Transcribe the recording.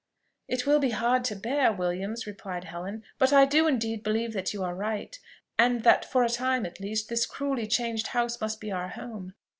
"It will be hard to bear, Williams," replied Helen; "but I do indeed believe that you are right, and that, for a time at least, this cruelly changed house must be our home.